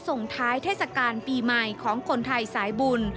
ส่งท้ายเทศกาลปีใหม่ของคนไทยสายบุญ